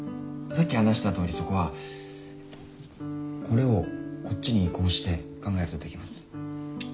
さっき話したとおりそこはこれをこっちに移行して考えるとできます。